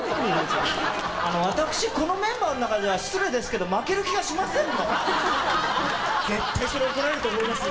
あのわたくしこのメンバーの中では失礼ですけど負ける気がしませんの絶対それ怒られると思いますよ